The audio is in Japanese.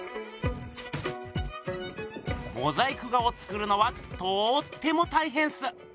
モザイク画を作るのはとっても大へんっす。